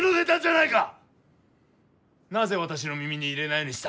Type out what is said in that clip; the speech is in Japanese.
なぜ私の耳に入れないようにした？